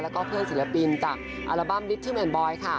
แล้วก็เพื่อนศิลปินจากอัลบั้มวิทย์ทึมแอนด์บอย